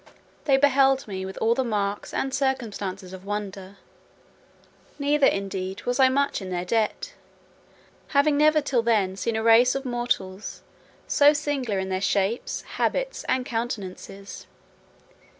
They beheld me with all the marks and circumstances of wonder; neither indeed was I much in their debt, having never till then seen a race of mortals so singular in their shapes, habits, and countenances.